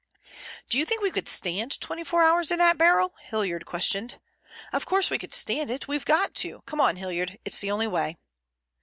"Do you think we could stand twenty four hours in that barrel?" Hilliard questioned. "Of course we could stand it. We've got to. Come on, Hilliard, it's the only way."